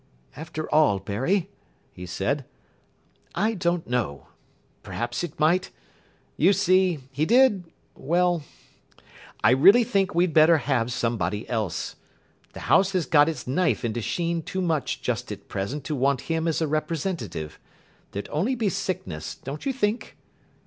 "After all, Barry," he said, "I don't know. Perhaps it might you see, he did well, I really think we'd better have somebody else. The house has got its knife into Sheen too much just at present to want him as a representative. There'd only be sickness, don't you think?